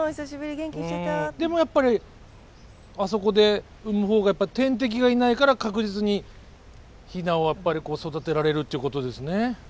でもやっぱりあそこで産む方がやっぱ天敵がいないから確実にヒナをやっぱりこう育てられるってことですね？